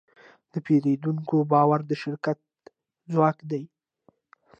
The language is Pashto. د پیرودونکي باور د شرکت ځواک دی.